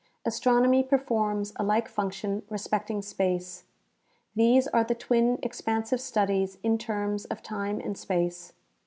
Astronomy performs a like function respecting space. These are the twin expansive studies in terms of time and space.